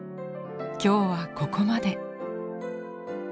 今日はここまで。